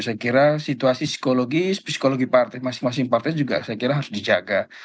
saya kira situasi psikologi psikologi partai masing masing partai juga saya kira harus dijaga